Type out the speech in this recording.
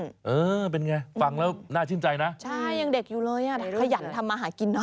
เป็นไงแล้วเอ้อเป็นไงฟังแล้วน่าชื่นใจนะใช่ยังเด็กอยู่เลยขยันทำอาหารกินเนอะ